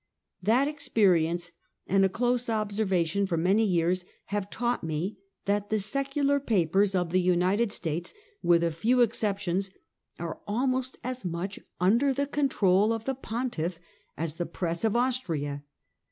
That experience and a close observation for many years have taught me that the secular papers of the United States, with a few exceptions, are almost as much un der the control of the Pontiff as the press of Austria.